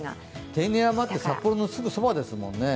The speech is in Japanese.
手稲山って札幌のすぐそばですもんね。